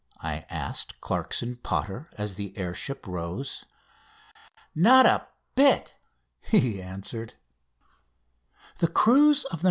I asked Clarkson Potter as the air ship rose. "Not a bit," he answered. The cruise of the "No.